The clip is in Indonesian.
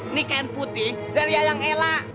ini kain putih dari ayam ela